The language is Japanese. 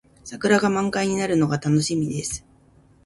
桜が満開になるのが楽しみです。